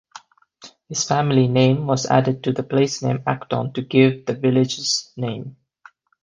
His family name was added to the placename Acton to give the village's name.